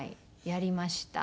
やりました。